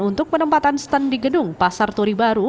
untuk penempatan stand di gedung pasar turi baru